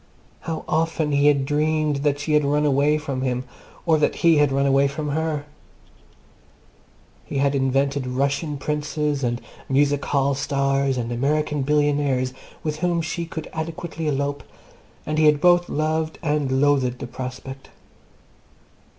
How often he had dreamed that she had run away from him or that he had run away from her! He had invented Russian Princes, and Music Hall Stars, and American Billionaires with whom she could adequately elope, and he had both loved and loathed the prospect.